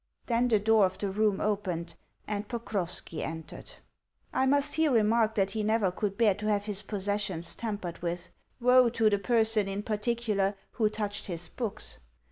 Then the door of the room opened, and Pokrovski entered! I must here remark that he never could bear to have his possessions tampered with. Woe to the person, in particular, who touched his books!